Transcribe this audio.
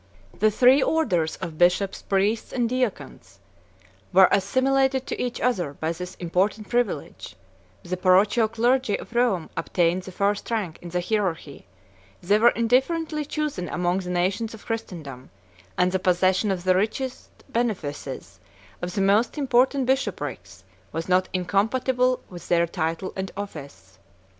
69 The three orders of bishops, priests, and deacons, were assimilated to each other by this important privilege; the parochial clergy of Rome obtained the first rank in the hierarchy: they were indifferently chosen among the nations of Christendom; and the possession of the richest benefices, of the most important bishoprics, was not incompatible with their title and office.